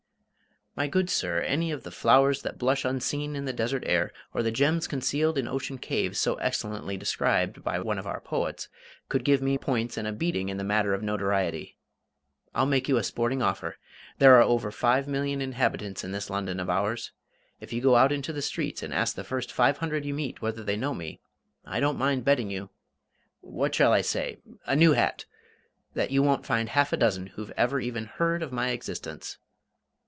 "My good sir, any of the flowers that blush unseen in the desert air, or the gems concealed in ocean caves, so excellently described by one of our poets, could give me points and a beating in the matter of notoriety. I'll make you a sporting offer. There are over five million inhabitants in this London of ours. If you go out into the streets and ask the first five hundred you meet whether they know me, I don't mind betting you what shall I say? a new hat that you won't find half a dozen who've ever even heard of my existence.